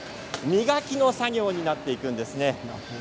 磨きの作業になっていくんです。